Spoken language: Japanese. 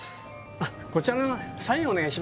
こちらの方へサインお願いします。